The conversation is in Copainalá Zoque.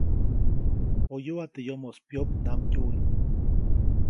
Poyuʼa teʼ yomoʼis pyopnamdyuwi.